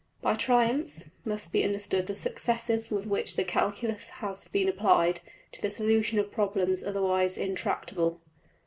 } By triumphs must be understood the successes with which the calculus has been applied to the solution of problems otherwise intractable.